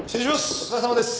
お疲れさまです。